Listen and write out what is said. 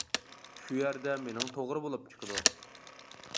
-شۇ يەردە مېنىڭ توغرا بولۇپ چىقىدۇ.